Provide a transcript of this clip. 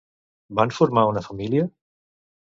Van formar una família?